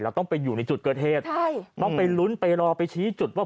ต้องไปอยู่ในจุดเกิดเหตุใช่ต้องไปลุ้นไปรอไปชี้จุดว่า